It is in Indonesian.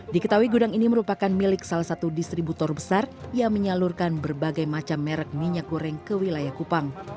diketahui gudang ini merupakan milik salah satu distributor besar yang menyalurkan berbagai macam merek minyak goreng ke wilayah kupang